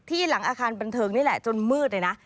หลังอาคารบันเทิงนี่แหละจนมืดเลยนะ